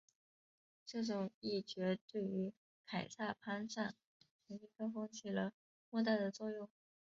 这种议决对于凯撒攀上权力高峰起了莫大的作用。